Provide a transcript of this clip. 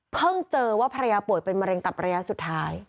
เจอว่าภรรยาป่วยเป็นมะเร็งตับระยะสุดท้าย